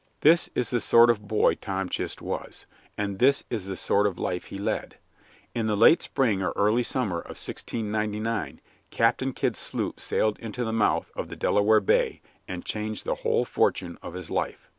This is the sort of boy Tom Chist was, and this is the sort of life he led. In the late spring or early summer of 1699 Captain Kidd's sloop sailed into the mouth of the Delaware Bay and changed the whole fortune of his life.